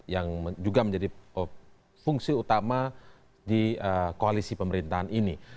yang juga menjadi fungsi utama di koalisi pemerintahan ini